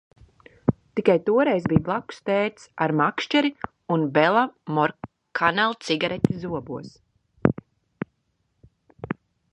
Tikai toreiz bija blakus tētis ar makšķeri un Belamorkanal cigareti zobos.